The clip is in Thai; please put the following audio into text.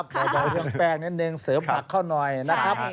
บอกว่าเวลาแปลงนิดนึงเสริมผักข้าวหน่อยนะครับ